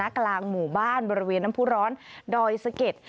กลางหมู่บ้านบริเวณน้ำผู้ร้อนดอยสะเก็ด